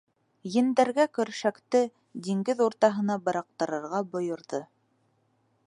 Ендәргә көршәкте диңгеҙ уртаһына быраҡтырырға бойорҙо.